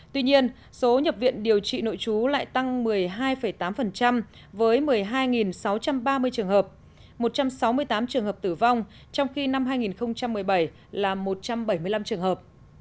tuy nhiên số nhập viện điều trị nội trú lại tăng một mươi hai tám với một mươi hai sáu trăm ba mươi trường hợp một trăm sáu mươi tám trường hợp tử vong trong khi năm hai nghìn một mươi bảy là một trăm bảy mươi năm trường hợp